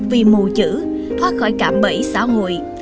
vì mù chữ thoát khỏi cạm bẫy xã hội